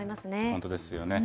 本当ですよね。